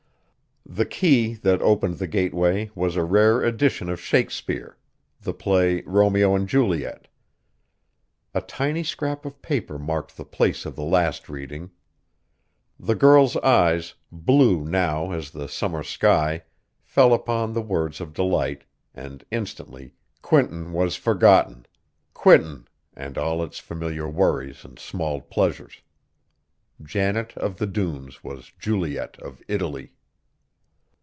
The key that opened the gateway was a rare edition of Shakespeare; the play, "Romeo and Juliet." A tiny scrap of paper marked the place of the last reading. The girl's eyes, blue now as the summer sky, fell upon the words of delight, and instantly Quinton was forgotten, Quinton, and all its familiar worries and small pleasures. Janet of the Dunes was Juliet of Italy.